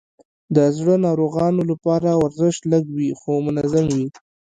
د زړه ناروغانو لپاره ورزش لږ وي، خو منظم وي.